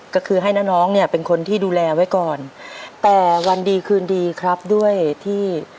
ก็คือให้น้าน้องเนี่ยเป็นคนที่ดูแลไว้ก่อนแต่วันดีคืนดีครับด้วยที่